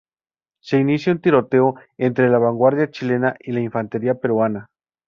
Se inicia un tiroteo entre la vanguardia chilena y la infantería peruana.